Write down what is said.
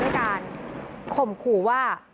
ในการข่มขู่ว่า